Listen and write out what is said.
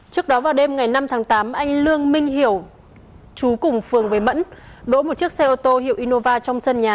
trước đó vào đêm ngày năm tháng tám anh lương minh hiểu chú cùng phường với mẫn đỗ một chiếc xe ô tô hiệu innova trong sân nhà